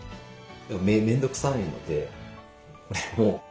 でも面倒くさいので。